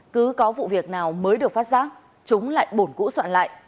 cứ có vụ việc nào mới được phát giác chúng lại bổn cũ soạn lại